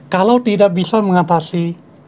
kalau tidak bisa mengatasi